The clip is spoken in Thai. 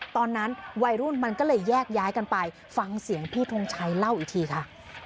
ตอนนั้นวัยรุ่นมันก็เลยแยกย้ายกันไปฟังเสียงพี่ทงชัยเล่าอีกทีค่ะ